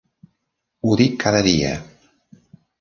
Ho dic cada dia!